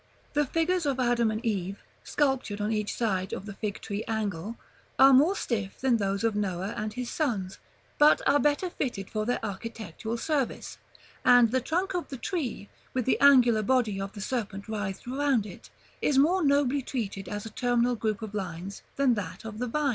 The figures of Adam and Eve, sculptured on each side of the Fig tree angle, are more stiff than those of Noah and his sons, but are better fitted for their architectural service; and the trunk of the tree, with the angular body of the serpent writhed around it, is more nobly treated as a terminal group of lines than that of the vine.